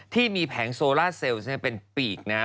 ที่มีแผงโซล่าเซลล์เป็นปีก